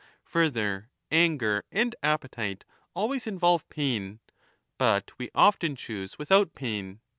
Further, anger and appetite always involve pain, but we often choose without pain.